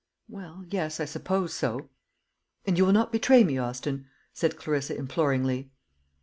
"Well, yes, I suppose so." "And you will not betray me, Austin?" said Clarissa imploringly.